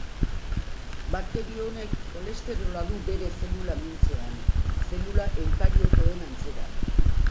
Bakterio honek kolesterola du bere zelula mintzean, zelula eukariotoen antzera.